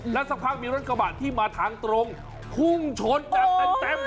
แล้วสักพักมีรถกระบะที่มาทางตรงพุ่งชนแบบเต็ม